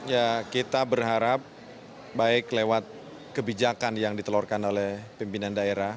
ya kita berharap baik lewat kebijakan yang ditelurkan oleh pimpinan daerah